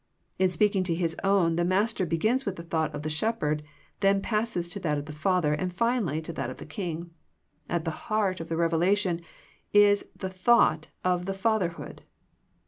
In speaking to His own the Master begins with the thought of the Shepherd, then passes to that of the Father, and finally to that of the King. At the heart of the revelation is the thought of the Fatherhood.